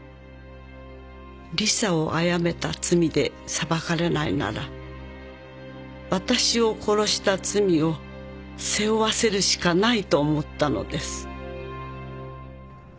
「リサをあやめた罪で裁かれないなら私を殺した罪を背負わせるしかないと思ったのです」